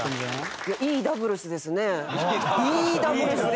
いいダブルスでした。